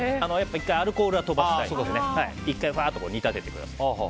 １回アルコールは飛ばしたいので１回煮立ててください。